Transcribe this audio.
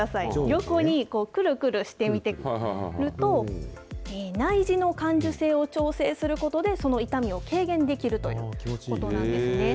横にこう、くるくるして見ると、内耳の感受性を調整することで、その痛みを軽減できるということなんですね。